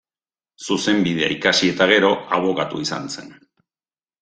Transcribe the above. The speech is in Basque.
Zuzenbidea ikasi eta gero, abokatu izan zen.